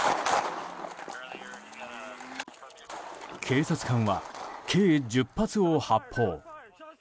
警察官は計１０発を発砲。